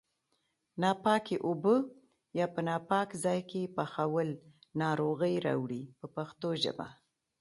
ناپاکې اوبه یا په ناپاک ځای کې پخول ناروغۍ راوړي په پښتو ژبه.